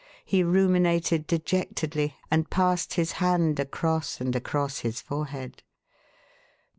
He ruminated dejectedly, and passed his hand across and across his forehead.